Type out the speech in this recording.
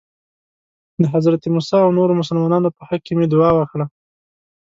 د حضرت موسی او نورو مسلمانانو په حق کې مې دعا وکړه.